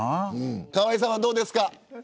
河井さんはどうですか。